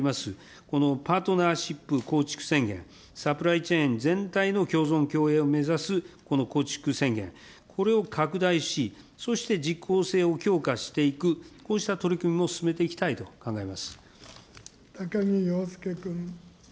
このパートナーシップ構築宣言、サプライチェーン全体の共存共栄を目指すこの構築宣言、これを拡大し、そして実効性を強化していく、こうした取り組みも進めていきたい高木陽介君。